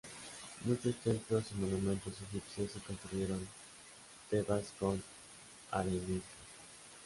Muchos templos y monumentos egipcios se construyeron Tebas con arenisca.